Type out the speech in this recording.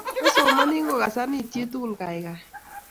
Asomo kokasan iit chi tukul, kaikai.